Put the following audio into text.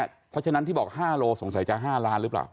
เพราะฉะนั้นที่บอก๕โลสงสัยจะ๕ล้านหรือเปล่า